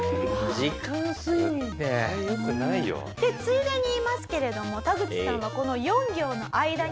でついでに言いますけれどもタグチさんはこの４行の間にですね。